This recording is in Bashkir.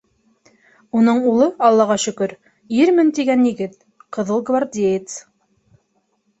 Уның улы, аллаға шөкөр, ирмен тигән егет — ҡыҙылгвардеец.